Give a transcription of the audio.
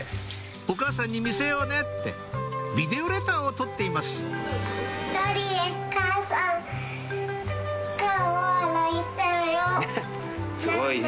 お母さんに見せようねってビデオレターを撮っていますすごいね。